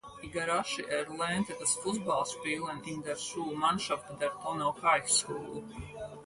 Igarashi erlernte das Fußballspielen in der Schulmannschaft der "Tono High School".